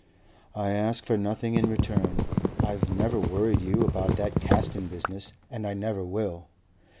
"I ask for nothing in return. I've never worried you about that Caston business and I never will.